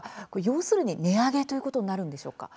要するに、値上げということになるんでしょうか？